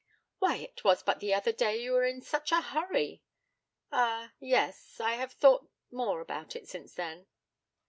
'Why, it was but the other day you were in such a hurry.' 'Ah yes I have thought more about it since then.'